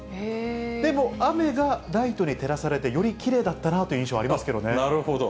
でも雨がライトに照らされて、よりきれいだったなという印象あなるほど。